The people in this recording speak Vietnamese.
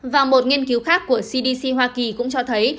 và một nghiên cứu khác của cdc hoa kỳ cũng cho thấy